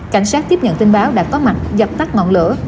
cảnh sát tiếp nhận tin báo đã có mặt dập tắt ngọn lửa